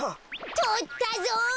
とったぞ！